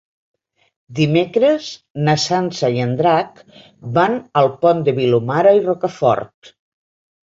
Dimecres na Sança i en Drac van al Pont de Vilomara i Rocafort.